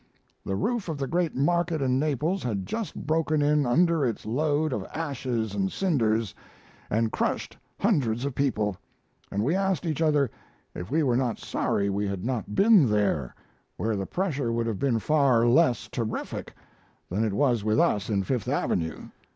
The roof of the great market in Naples had just broken in under its load of ashes and cinders, and crushed hundreds of people; and we asked each other if we were not sorry we had not been there, where the pressure would have been far less terrific than it was with us in Fifth Avenue.